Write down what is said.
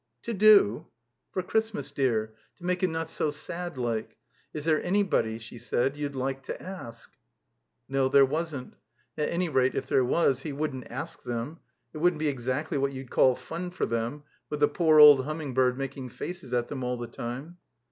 "To do?" "For Christmas, dear. To make it not so sad like. Is there anybody," she said, "you'd like to ask?" No, there wasn't. At any rate, if there was he wouldn't ask them. It wouldn't be exactly what you'd call fim for them, with the poor old Himmiing bird making faces at them all the time.